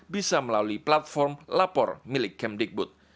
bisa melalui platform lapor milik kemdikbud